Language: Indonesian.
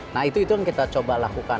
nah itu yang kita coba lakukan